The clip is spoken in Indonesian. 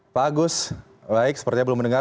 pak agus baik sepertinya belum mendengar